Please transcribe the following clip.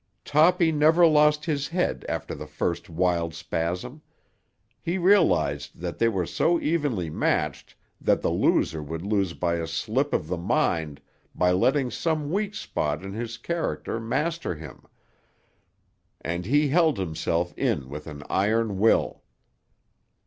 Toppy never lost his head after the first wild spasm. He realised that they were so evenly matched that the loser would lose by a slip of the mind by letting some weak spot in his character master him; and he held himself in with an iron will.